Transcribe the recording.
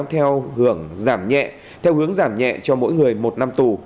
theo hưởng giảm nhẹ theo hướng giảm nhẹ cho mỗi người một năm tù